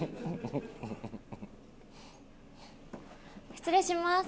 失礼します。